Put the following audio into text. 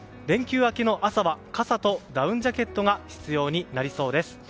連休明けの朝は傘とダウンジャケットが必要になりそうです。